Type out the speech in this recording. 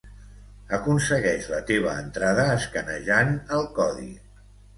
Aconsegueix la teva entrada escanejant el codi